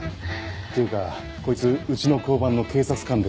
っていうかこいつうちの交番の警察官です。